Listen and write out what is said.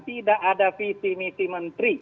tidak ada visi misi menteri